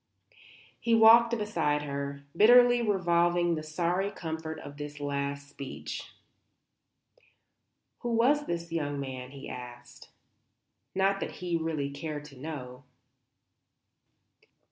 He walked beside her, bitterly revolving the sorry comfort of this last speech. "Who was the young man?" he asked. Not that he really cared to know.